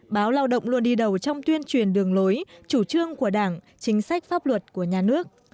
báo lao động luôn đi đầu trong tuyên truyền đường lối chủ trương của đảng chính sách pháp luật của nhà nước